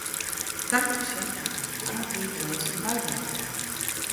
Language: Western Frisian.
Kankerpasjinten ha faak lange tiid lêst fan bywurkingen.